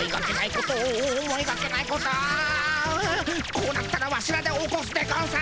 こうなったらワシらで起こすでゴンス。